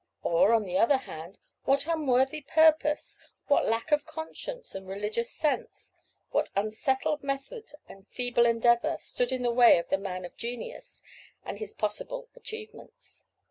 Or, on the other hand, what unworthy purpose, what lack of conscience and religious sense, what unsettled method and feeble endeavor stood in the way of the 'man of genius' and his possible achievements?"